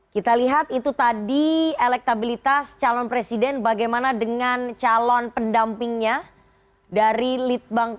kita lihat itu tadi elektabilitas calon presiden bagaimana dengan calon pendampingnya dari litbang